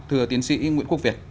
thưa tiến sĩ nguyễn quốc việt